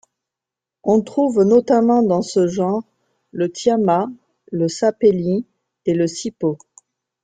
On trouve notamment dans ce genre le tiama, le sapelli et le sipo.